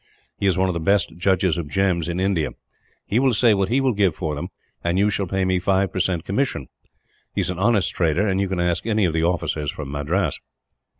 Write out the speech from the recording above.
He is one of the best judges of gems in India. He shall say what he will give for them, and you shall pay me five percent commission. He is an honest trader; you can ask any of the officers from Madras."